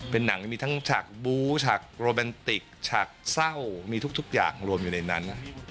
เป็นหนังมีทั้งฉากบูฉากโรแมนติกฉากเศร้ามีทุกอย่างรวมอยู่ในนั้น